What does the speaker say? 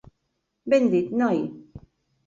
Ben dit, noi!